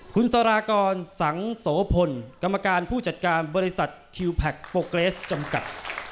คุณสารากรสังโสพลกรรมการผู้จัดการบริษัทคิวแพคโปเกรสจำกัด